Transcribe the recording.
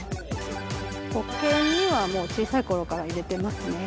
保険には小さい頃から入れてますね。